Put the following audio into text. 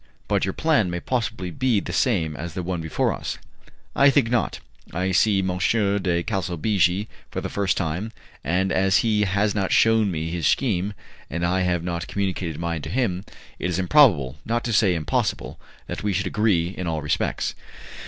"But your plan may possibly be the same as the one before us." "I think not. I see M. de Calsabigi for the first time, and as he has not shewn me his scheme, and I have not communicated mine to him, it is improbable, not to say impossible, that we should agree in all respects.